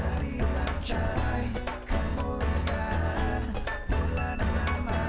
nari amcai kemuliaan bulan amat